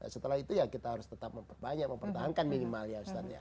setelah itu ya kita harus tetap memperbanyak mempertahankan minimal ya ustadz ya